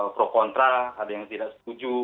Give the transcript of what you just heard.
pro kontra ada yang tidak setuju